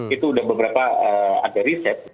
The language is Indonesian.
itu sudah beberapa ada riset